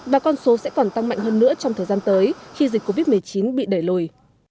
và con số sẽ còn tăng mạnh hơn nữa trong thời gian tới khi dịch covid một mươi chín bị đẩy lùi